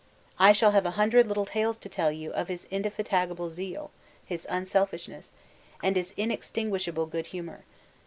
I shall have a hundred little tales to tell you of his indefatigable zeal, his unselfishness, and his inextinguishable good humour.